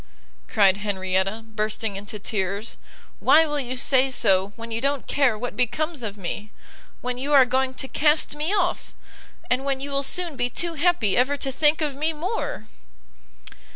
cried Henrietta, bursting into tears, "why will you say so when you don't care what becomes of me! when you are going to cast me off! and when you will soon be too happy ever to think of me more!"